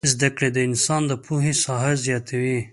زدکړې د انسان د پوهې ساحه زياتوي